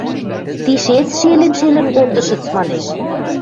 – Тишец шелӹн-шелӹн колтышыц, – манеш.